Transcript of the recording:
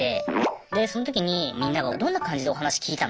でその時にみんながどんな感じでお話聞いたの？みたいな。